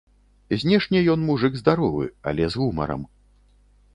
Знешне ён мужык здаровы, але з гумарам.